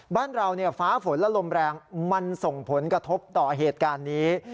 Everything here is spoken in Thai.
บ้านเราฟ้าฝนและลมแรงมันส่งผลกระทบต่อเหตุการณ์นี้